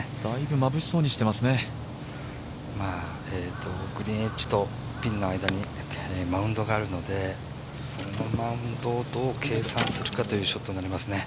まあ、グレー地とピンの間にマウンドがあるのでそのマウンドをどう計算するかというショットになります。